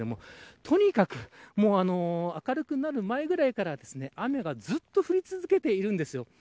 とにかく明るくなる前ぐらいから雨がずっと降り続けているんです。